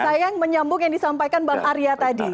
sayang menyambung yang disampaikan bang arya tadi